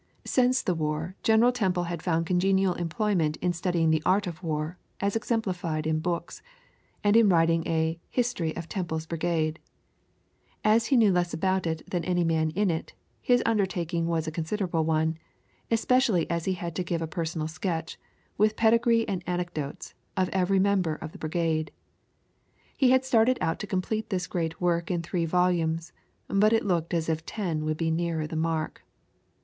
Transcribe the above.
Since the war General Temple had found congenial employment in studying the art of war as exemplified in books, and in writing a History of Temple's Brigade. As he knew less about it than any man in it, his undertaking was a considerable one, especially as he had to give a personal sketch, with pedigree and anecdotes, of every member of the brigade. He had started out to complete this great work in three volumes, but it looked as if ten would be nearer the mark.